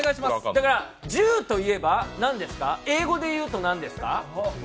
だから、１０といえば英語で言うと何ですか？